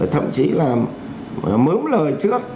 thậm chí là mớm lời trước